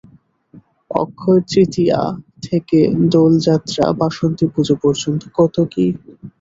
অক্ষয়তৃতীয়া থেকে দোলযাত্রা বাসন্তীপুজো পর্যন্ত কত কী।